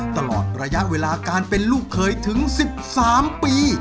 ตลอดระยะเวลาการเป็นลูกเคยถึง๑๓ปี